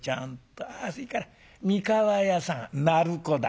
あそれから三河屋さん鳴子だ。